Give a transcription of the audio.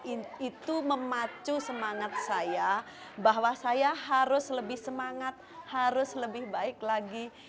itu memacu semangat saya bahwa saya harus lebih semangat harus lebih baik lagi